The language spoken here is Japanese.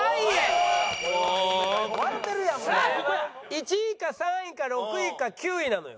１位か３位か６位か９位なのよ。